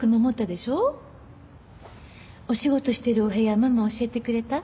お仕事してるお部屋ママ教えてくれた？